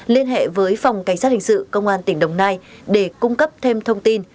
liên hệ với phòng cảnh sát hình sự công an tỉnh đồng nai để cung cấp thêm thông tin